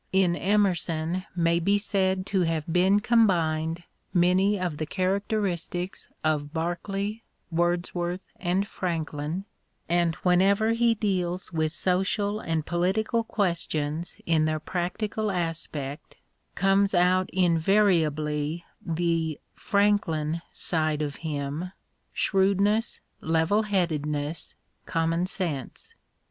In Emerson may be said to have been combined many of the characteristics of Berkeley, Wordsworth, and Franklin, and whenever he deals with social and political questions in their practical aspect comes out invariably the Franklin side of him — shrewdness, level headedness, common sense.